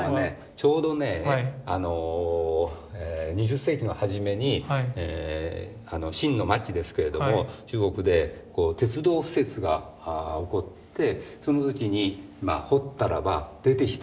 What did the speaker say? ちょうどね２０世紀の初めに清の末期ですけれども中国で鉄道敷設が起こってその時に掘ったらば出てきた。